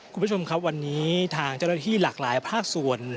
คุณผู้ชมครับวันนี้ทางเจ้าหน้าที่หลากหลายภาคส่วน